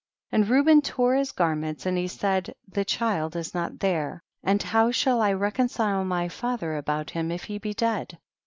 4. And Reuben tore his garments and he said, the child is not there, and how shall I reconcile my father about him if he be dead